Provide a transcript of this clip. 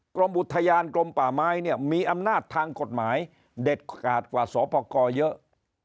กรมอุทยานกรมป่าไม้เนี่ยมีอำนาจทางกฎหมายเด็ดขาดกว่าสปกรเยอะ